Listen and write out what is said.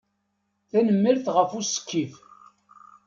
Tanemmirt ɣef usekkif.